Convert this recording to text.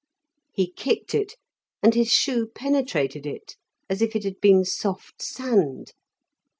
He kicked it, and his shoe penetrated it as if it had been soft sand.